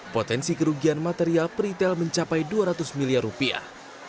potensi kerugian material peritel mencapai dua ratus miliar rupiah